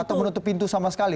atau menutup pintu sama sekali